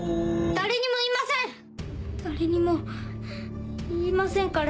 ・誰にも言いませんから。